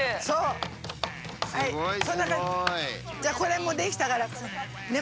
じゃあこれもうできたからねえ